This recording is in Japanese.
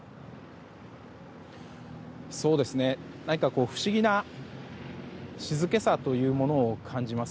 何か不思議な静けさというものを感じます。